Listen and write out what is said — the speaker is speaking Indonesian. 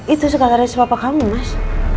itu sekarang resipapah kamu mas